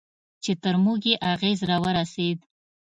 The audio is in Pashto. چې تر موږ یې اغېز راورسېد.